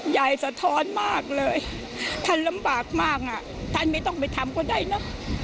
สะท้อนมากเลยท่านลำบากมากอ่ะท่านไม่ต้องไปทำก็ได้เนอะ